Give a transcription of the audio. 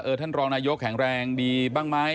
เอ้าท่านรองนายศพแข็งแรงดีบ้างมั้ย